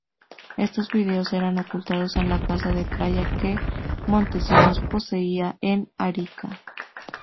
Estos vídeos eran ocultados en la casa de playa que Montesinos poseía en Arica.